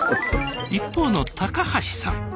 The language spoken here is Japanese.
一方の高橋さん。